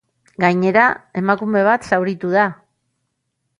Gainera, emakume bat zauritu da.